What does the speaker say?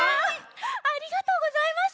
ありがとうございます！